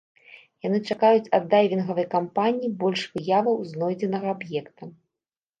Яны чакаюць ад дайвінгавай кампаніі больш выяваў знойдзенага аб'екта.